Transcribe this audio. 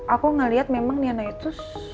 aku ngeliat memang niana itu